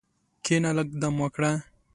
کښېنه، لږ دم وکړه.